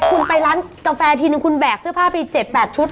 คุณไปร้านกาแฟทีนึงคุณแบกเสื้อผ้าไป๗๘ชุด